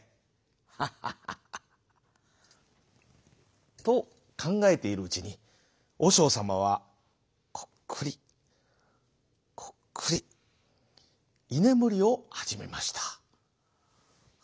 ハハハハ」。とかんがえているうちにおしょうさまはコックリコックリいねむりをはじめました。